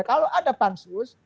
kalau ada pansus